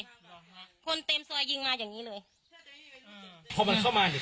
เหรอคะคนเต็มซอยยิงมาอย่างงี้เลยอ่าพอมันเข้ามาเนี้ย